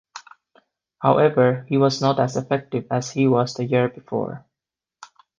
However, he was not as effective as he was the year before.